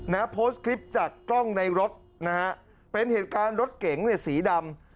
นะฮะโพสต์คลิปจากกล้องในรถนะฮะเป็นเหตุการณ์รถเก๋งเนี่ยสีดำ